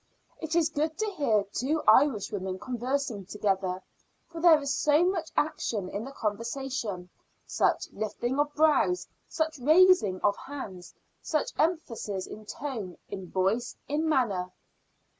It is good to hear two Irishwomen conversing together, for there is so much action in the conversation such lifting of brows, such raising of hands, such emphasis in tone, in voice, in manner.